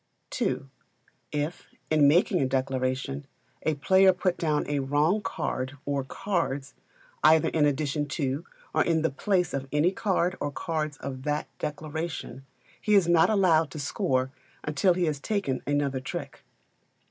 ii. If, in making a declaration, a player put down a wrong card or cards, either in addition to or in the place of any card or cards of that declaration, he is not allowed to score until he has taken another trick.